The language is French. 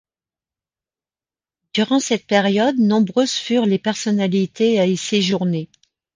Durant cette période, nombreuses furent les personnalités à y séjourner.